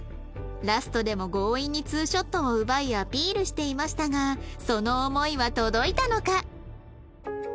ラストでも強引に２ショットを奪いアピールしていましたがその思いは届いたのか？